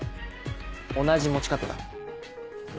同じ持ち方だ。